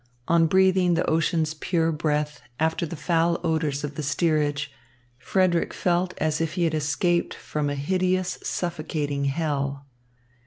On breathing in the ocean's pure breath after the foul odours of the steerage, Frederick felt as if he had escaped from a hideous, suffocating hell.